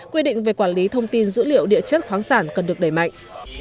quy định về quản lý thông tin dữ liệu địa chất khoáng sản cần được đẩy mạnh